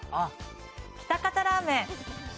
喜多方ラーメン。